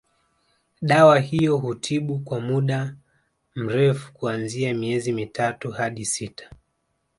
Dawa hiyo hutibu kwa muda mrefu kuanzia miezi mitatu hadi sita